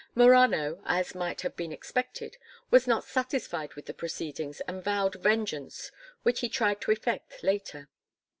Morano, as might have been expected, was not satisfied with the proceedings and vowed vengeance which he tried to effect later.